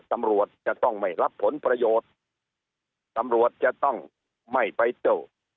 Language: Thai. ตำรวจจะต้องไม่รับผลประโยชน์ตำรวจจะต้องไม่ไปเตอร์